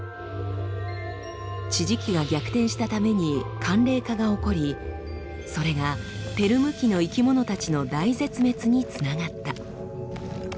地磁気が逆転したために寒冷化が起こりそれがペルム紀の生き物たちの大絶滅につながった。